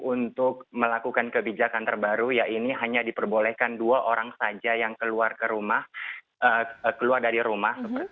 untuk melakukan kebijakan terbaru ya ini hanya diperbolehkan dua orang saja yang keluar dari rumah